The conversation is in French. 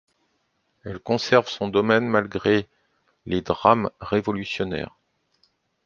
Elle conserve son domaine malgré les drames révolutionnaires.